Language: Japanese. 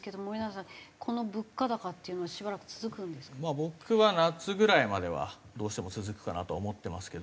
僕は夏ぐらいまではどうしても続くかなとは思ってますけど。